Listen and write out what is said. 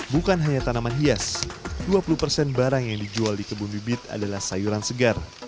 bukan hanya tanaman hias dua puluh persen barang yang dijual di kebun bibit adalah sayuran segar